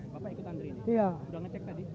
bapak ikut andre ini udah ngecek tadi